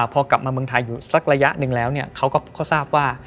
พอกลับมาเมืองไทยอยู่สักระยะหนึ่งแล้วเขาก็ทราบว่า